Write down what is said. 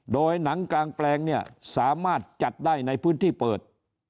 โดยหนังกลางแปลงเนี่ยสามารถจัดได้ในพื้นที่เปิด